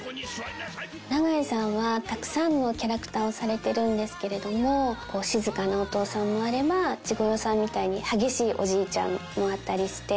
永井さんはたくさんのキャラクターをされてるんですけれども静かなお父さんもあれば滋悟郎さんみたいに激しいおじいちゃんもあったりして。